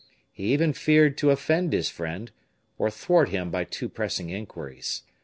He even feared to offend his friend, or thwart him by too pressing inquiries.